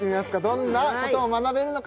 どんなことを学べるのか